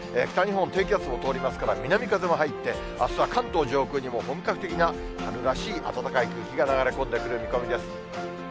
北日本、低気圧も通りますから、南風も入って、あすは関東上空にも、本格的な春らしい暖かい空気が流れ込んでくる見込みです。